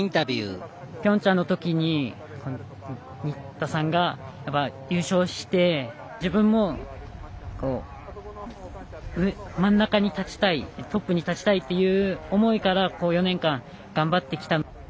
ピョンチャンのときに新田さんが優勝して自分も真ん中に立ちたいトップに立ちたいという思いから４年間頑張ってきた。